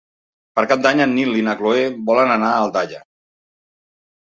Per Cap d'Any en Nil i na Cloè volen anar a Aldaia.